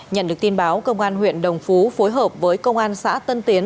nhận được tin báo công an huyện đồng phú phối hợp với công an xã tân tiến